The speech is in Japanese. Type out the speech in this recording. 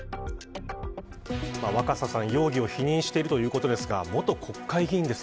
若狭さん、容疑を否認しているということですが元国会議員です。